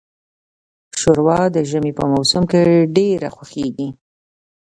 شوروا د ژمي په موسم کې ډیره خوښیږي.